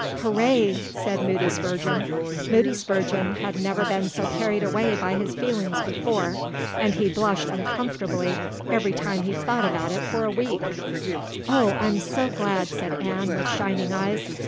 "Hurrah!" said Moody Spurgeon. Moody Spurgeon had never been so carried away by his feelings before, and he blushed uncomfortably every time he thought about it for a week. "Oh, I'm so glad," said Anne, with shining eyes.